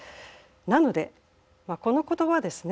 なのでまあこの言葉ですね。